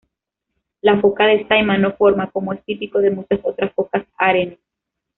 La foca de Saimaa no forma, como es típico de muchas otras focas, harenes.